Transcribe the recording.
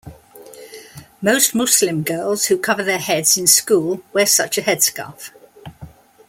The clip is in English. Most Muslim girls who cover their heads in school wear such a headscarf.